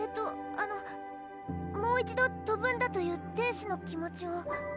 あのもう一度飛ぶんだという天使の気持ちを。